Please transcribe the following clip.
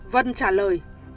vân trả lời